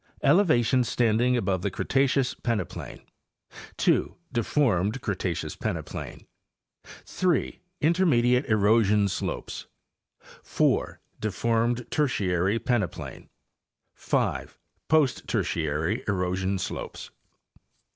Elevations standing above the Cretaceous peneplain. 2. Deformed Cretaceous peneplain. d. Intermediate erosion slopes. . 4. Deformed Tertiary peneplain. 5. Post Tertiary erosion slopes.